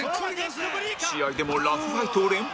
試合でもラフファイトを連発